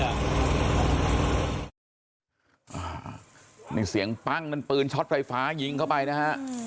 อ่านี่เสียงปั้งนั้นปืนช็อตไฟฟ้ายิงเข้าไปนะฮะ